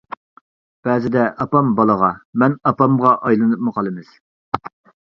بەزىدە ئاپام بالىغا، مەن ئاپامغا ئايلىنىپمۇ قالىمىز.